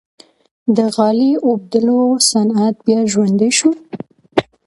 د غالۍ اوبدلو صنعت بیا ژوندی شو؟